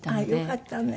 よかったね！